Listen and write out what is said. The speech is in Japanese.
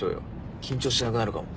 緊張しなくなるかも。